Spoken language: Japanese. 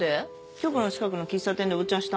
局の近くの喫茶店でお茶した。